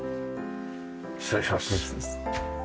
失礼します。